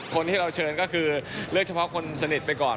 คนที่เราเชิญก็คือเลือกเฉพาะคนสนิทไปก่อน